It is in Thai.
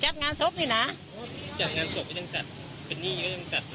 จัดงานศพก็ยังจัดเป็นหนี้ก็ยังจัด